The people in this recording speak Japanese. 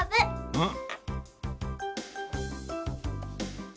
うん。